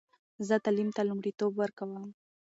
زه تعلیم ته لومړیتوب ورکوم.